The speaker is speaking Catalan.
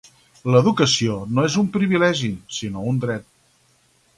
L'educació no és un privilegi, sinó un dret.